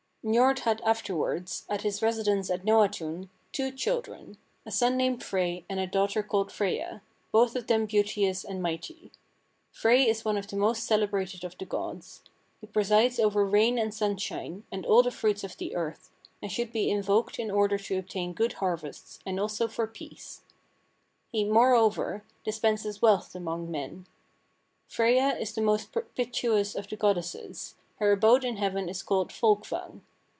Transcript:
25. "Njord had afterwards, at his residence at Noatun, two children, a son named Frey, and a daughter called Freyja, both of them beauteous and mighty. Frey is one of the most celebrated of the gods. He presides over rain and sunshine, and all the fruits of the earth, and should be invoked in order to obtain good harvests, and also for peace. He, moreover, dispenses wealth among men. Freyja is the most propitious of the goddesses; her abode in heaven is called Folkvang.